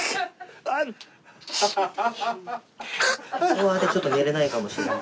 この間ちょっと寝れないかもしれない。